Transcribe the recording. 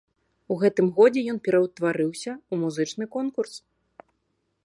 У гэтым годзе ён пераўтварыўся ў музычны конкурс.